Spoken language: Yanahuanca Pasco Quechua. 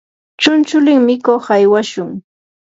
chunchulin mikuq aywashun.